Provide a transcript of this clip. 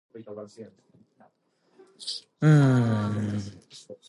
Numbers in the United States alone are in the tens of millions.